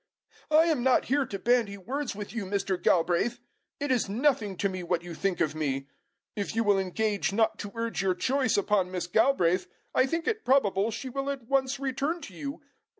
"I am not here to bandy words with you, Mr. Galbraith. It is nothing to me what you think of me. If you will engage not to urge your choice upon Miss Galbraith, I think it probable she will at once return to you.